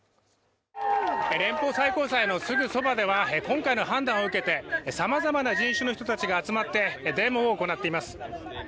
連邦最高裁のすぐそばでは今回の判断を受けて様々な人種の人たちが集まってデモを行っています。